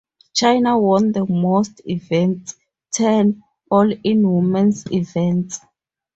China won the most events, ten, all in women's events.